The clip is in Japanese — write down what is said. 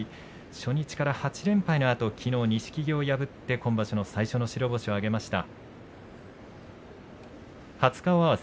初日から８連敗のあときのう、錦木を破って今場所、初白星を挙げました。